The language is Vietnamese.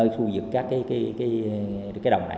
khu vực các cái đồng này